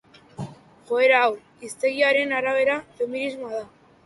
Joera hau; hiztegiaren arabera, feminismoa da.